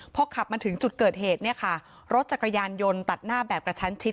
พอขับมาถึงจุดเกิดเหตุเนี่ยค่ะรถจักรยานยนต์ตัดหน้าแบบกระชั้นชิด